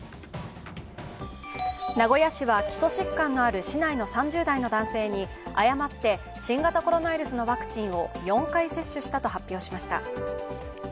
名古屋市は基礎疾患のある市内の３０代の男性に、誤って新型コロナウイルスのワクチンを４回接種したと発表しました。